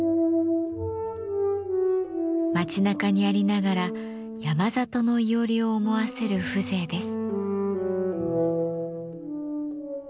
町なかにありながら山里のいおりを思わせる風情です。